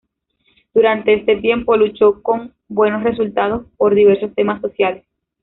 Durante este tiempo luchó, con buenos resultados, por diversos temas sociales.